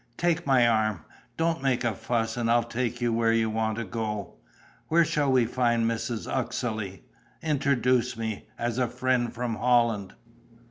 Take my arm. Don't make a fuss and I'll take you where you want to go. Where shall we find Mrs. Uxeley? Introduce me ... as a friend from Holland...."